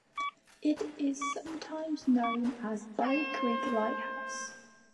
It is sometimes known as Bow Creek Lighthouse.